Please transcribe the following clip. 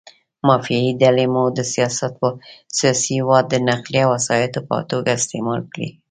مافیایي ډلې مو د سیاسي واټ د نقلیه وسایطو په توګه استعمال کړي.